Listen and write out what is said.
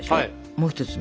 もう一つの。